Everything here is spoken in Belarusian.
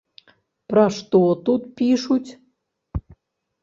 Пра што тут пішуць?